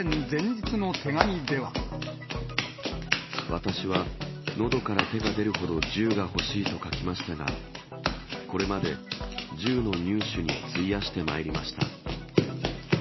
私は、のどから手が出るほど銃が欲しいと書きましたが、これまで銃の入手に費やしてまいりました。